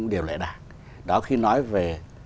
điều lẽ đảng đó khi nói về